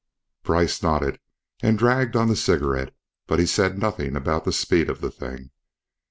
Brice nodded and dragged on the cigarette, but he said nothing about the speed of the thing.